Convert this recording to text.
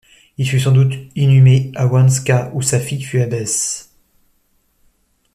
Il fut sans doute inhumé à Wanzka où sa fille fut abbesse.